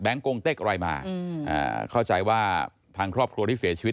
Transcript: กงเต็กอะไรมาเข้าใจว่าทางครอบครัวที่เสียชีวิต